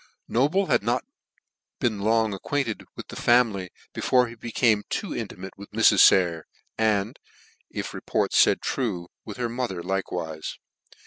Noble had not been long acquainted with the family before he became too intimate with Mrs. Sayer, and, if report faid true, with her mother likewife.